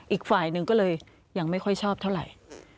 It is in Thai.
อีกฝ่ายหนึ่งก็เลยยังไม่ค่อยชอบเท่าไหร่